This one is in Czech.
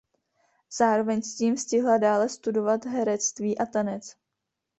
Zároveň s tím stihla dále studovat herectví a tanec.